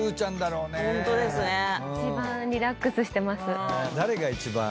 一番リラックスしてます。